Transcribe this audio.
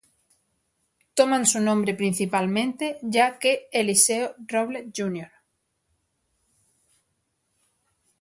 Toman su nombre principalmente ya que Eliseo Robles Jr.